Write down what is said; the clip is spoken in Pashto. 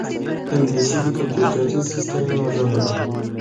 انګلیسي د کمپیوټري سیستمونو ژبه ده